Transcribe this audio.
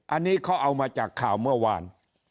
อันนี้เขาเอามาจากข่าวเมื่อวาน